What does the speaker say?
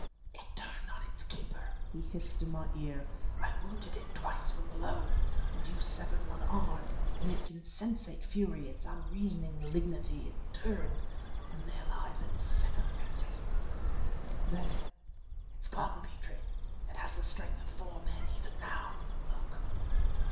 "It turned on its keeper!" he hissed in my ear. "I wounded it twice from below, and you severed one arm; in its insensate fury, its unreasoning malignity, it returned and there lies its second victim..." "Then..." "It's gone, Petrie! It has the strength of four men even now. Look!"